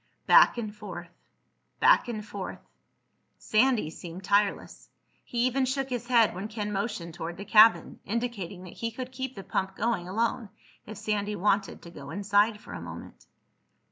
Back and forth ... back and forth.... Sandy seemed tireless. He even shook his head when Ken motioned toward the cabin, indicating that he could keep the pump going alone if Sandy wanted to go inside for a moment.